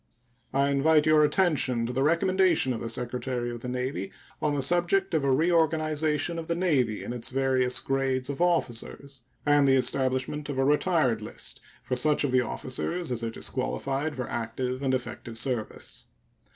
I invite your attention to the recommendation of the Secretary of the Navy on the subject of a reorganization of the Navy in its various grades of officers, and the establishing of a retired list for such of the officers as are disqualified for active and effective service.